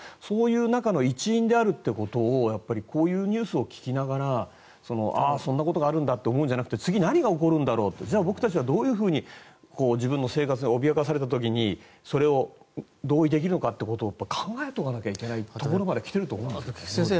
そういう中の一員であるということをやっぱりこういうニュースを聞きながらそんなことがあるんだと思うんじゃなくて次、何が起こるんだろうとじゃあ、僕たちはどういうふうに自分の生活が脅かされた時にそれを同意できるのかということを考えなきゃいけないところまで来ていると思いますね。